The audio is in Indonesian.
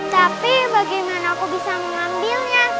tapi bagaimana aku bisa mengambilnya